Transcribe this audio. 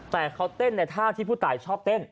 แต่เขาเต้นในท่าที่ผู้ตายชอบเต้น